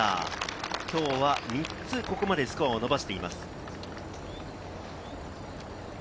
きょうは３つ、ここまでスコアを伸ばしています。